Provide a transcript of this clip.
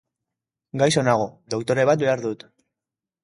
Gaixo nago, doktore bat behar dut.